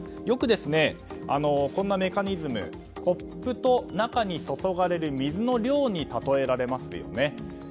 よく、こんなメカニズムコップと中に注がれる水の量にたとえられますよね。